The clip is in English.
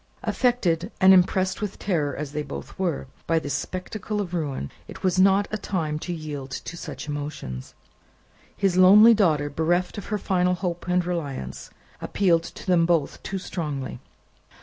Affected, and impressed with terror as they both were, by this spectacle of ruin, it was not a time to yield to such emotions. His lonely daughter, bereft of her final hope and reliance, appealed to them both too strongly.